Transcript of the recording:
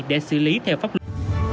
để xử lý theo pháp luật